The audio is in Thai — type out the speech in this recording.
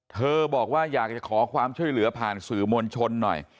บอกว่าอยากจะขอความช่วยเหลือผ่านสื่อมวลชนหน่อย